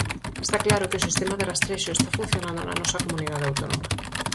Está claro que o sistema de rastrexo está funcionando na nosa comunidade autónoma.